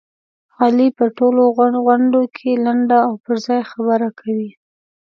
علي په ټولو غونډوکې لنډه او پرځای خبره کوي.